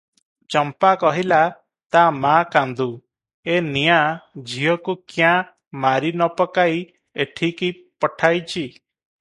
ଚମ୍ପା କହିଲା, "ତା ମା କାନ୍ଦୁ, ଏ ନିଆଁ ଝିଅକୁ କ୍ୟାଁ ମାରି ନ ପକାଇ ଏଠିକି ପଠାଇଛି?